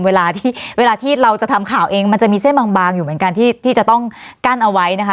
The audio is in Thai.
เวลาที่เวลาที่เราจะทำข่าวเองมันจะมีเส้นบางอยู่เหมือนกันที่จะต้องกั้นเอาไว้นะคะ